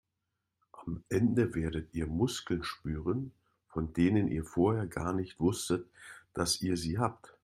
Am Ende werdet ihr Muskeln spüren, von denen ihr vorher gar nicht wusstet, dass ihr sie habt.